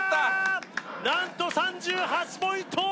なんと３８ポイント！